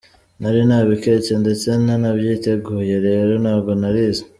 Nari nabiketse ndetse nanabyiteguye, rero ntabwo narize.